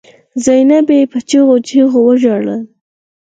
زينبې په چيغو چيغو وژړل.